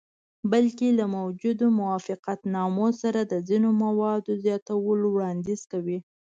بلکې له موجودو موافقتنامو سره د ځینو موادو زیاتولو وړاندیز کوي.